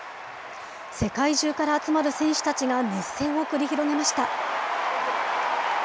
世界中から集まる選手たちが熱戦を繰り広げました。